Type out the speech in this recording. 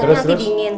takut nanti dingin